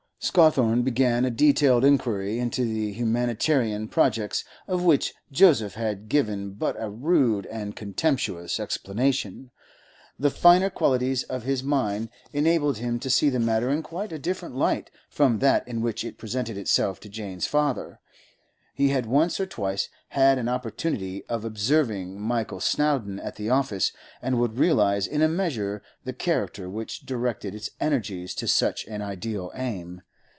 Scawthorne began a detailed inquiry into the humanitarian projects of which Joseph had given but a rude and contemptuous explanation. The finer qualities of his mind enabled him to see the matter in quite a different light from that in which it presented itself to Jane's father; he had once or twice had an opportunity of observing Michael Snowdon at the office, and could realise in a measure the character which directed its energies to such an ideal aim.